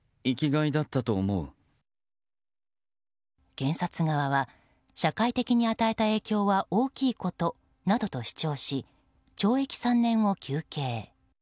検察側は社会的に与えた影響は大きいことなどと主張し懲役３年を求刑。